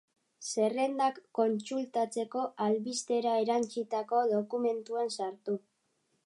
Zerrendak kontsultatzeko, albistera erantsitako dokumentuan sartu.